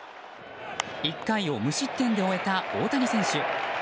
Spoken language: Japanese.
１回を無失点で終えた大谷選手。